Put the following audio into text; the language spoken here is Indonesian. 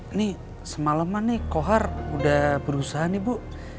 ini semalaman nih kohar udah berusaha nih bu